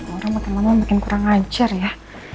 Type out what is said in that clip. orang orang makin lama makin kurang ngajar ya